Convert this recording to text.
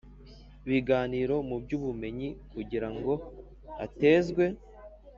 biganiro mu by ubumenyi kugira ngo hatezwe